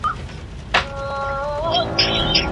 ماشوم په فرش باندې پروت و.